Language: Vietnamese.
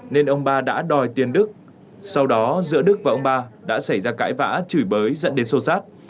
nên ông ba đã đòi tiền đức sau đó giữa đức và ông ba đã xảy ra cãi vã chửi bới dẫn đến sô sát